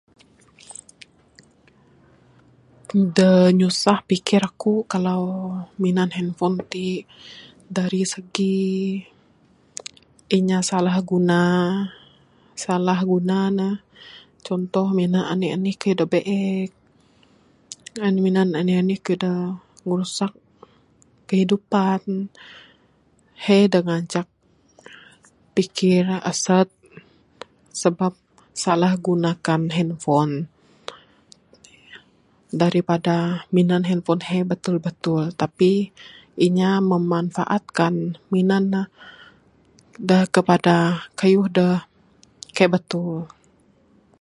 Dak nyusah pikir aku kalau mina handphone ti dari segi inya salah guna salah guna ne, contoh mina enih enih keyuh dak biek ngan minan enih enih keyuh dak ngirusak kehidupan he dak ngancak pikir aset sabab salah gunakan handphone daripada minan handphone he betul betul tapi inya memanfaatkan minan ne dak kepada keyuh dak kai betul.